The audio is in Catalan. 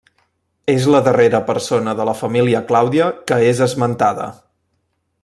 És la darrera persona de la família Clàudia que és esmentada.